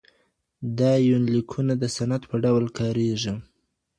دا يونليکونه د سند په ډول کارېږي.